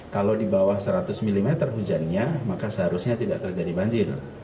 kalau di bawah seratus mm hujannya maka seharusnya tidak terjadi banjir